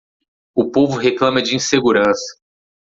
O povo reclama de insegurança.